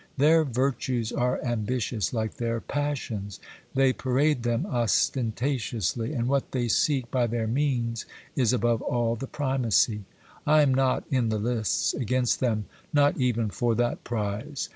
Their virtues are ambitious like their passions ; they parade them osten tatiously, and what they seek by their means is above all the primacy. I am not in the lists against them, not even for that prize.